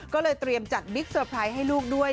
ก็เลยเตรียมจัดบิ๊กเซอร์ไพรส์ให้ลูกด้วย